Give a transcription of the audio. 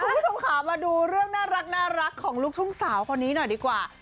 คุณผู้ชมค่ะมาดูเรื่องน่ารักของลูกทุ่งสาวคนนี้หน่อยดีกว่า